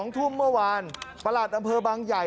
๒ทุ่มเมื่อวานประหลัดอำเภอบางใหญ่